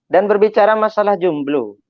dan berbicara masalah jumblo